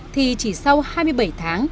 thì chỉ sau hai mươi bảy tháng